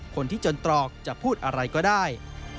คนที่จนตรอกจะพูดอะไรก็ได้